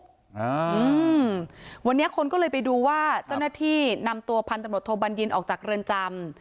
อืมวันนี้คนก็เลยไปดูว่าเจ้าหน้าที่นำตัวพันตำรวจโทบัญญินออกจากเรือนจำ